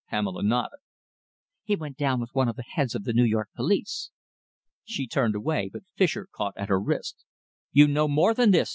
Pamela nodded. "He went down with one of the heads of the New York police." She turned away, but Fischer caught at her wrist. "You know more than this!"